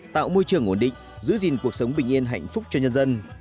tạo môi trường ổn định giữ gìn cuộc sống bình yên hạnh phúc cho nhân dân